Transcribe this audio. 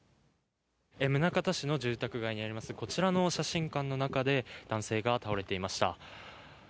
宗像市の住宅街にあります、こちらの写真館の中で、男性が倒れていました。